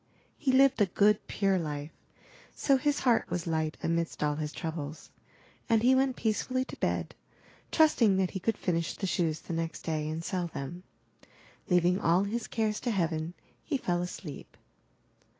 He lived a good, pure life; so his heart was light amidst all his troubles, and he went peace fully to bed, trusting that he could finish the shoes the next day and sell them. Leaving all his cares to heaven, he fell asleep.